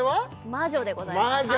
魔女でございます魔女！